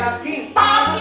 gak nyangkut daging